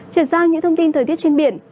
trở sang những thông tin thời tiết trên biển